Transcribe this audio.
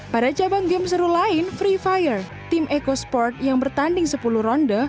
pada cabang game seru lain free fire tim eco sport yang bertanding sepuluh ronde